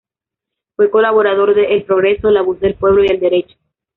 Fue colaborador de "El Progreso", "La Voz del Pueblo" y "El Derecho".